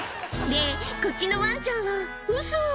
で、こっちのワンちゃんは、ウソー？